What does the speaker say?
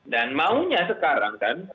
dan maunya sekarang